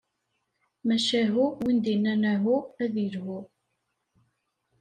Macahu, win d-innan ahu, ad ilhu.